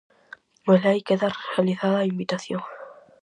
Velaí queda realizada a invitación.